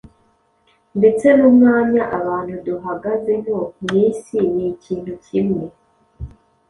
ndetse n’umwanya abantu duhagazemo mu isi ni ikintu kimwe.